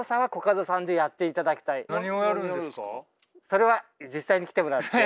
それは実際に来てもらって。